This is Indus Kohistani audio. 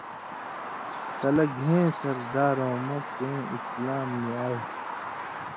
تلہ گھېں سردارؤں مہ کېں اِسلام نی آئۡ